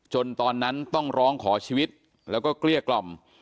ตอนนั้นต้องร้องขอชีวิตแล้วก็เกลี้ยกล่อม